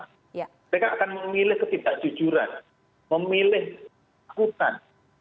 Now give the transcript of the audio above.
mereka akan memilih ketidakjujuran memilih ikutan